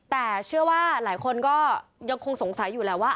แต่เชื่อว่าหลายคนก็ยังคงสงสัยอยู่แหละว่า